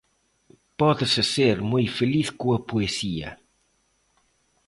Pódese ser moi feliz coa poesía.